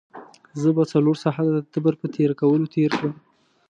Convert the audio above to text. زه به څلور ساعته د تبر په تېره کولو تېر کړم.